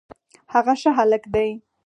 هغه ښه هلک دی